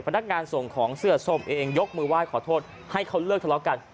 พนักงานส่งของเสื้อส้มเองยกมือไหว้ขอโทษให้เขาเลิกทะเลาะกัน